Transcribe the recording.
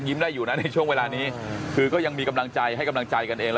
ยิ้มได้อยู่นะในช่วงเวลานี้ยังมีกำลังใจให้กำลังใจกันเอง